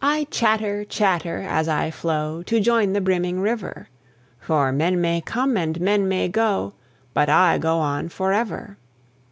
(1809 92.) I chatter, chatter, as I flow To join the brimming river; For men may come and men may go, But I go on forever.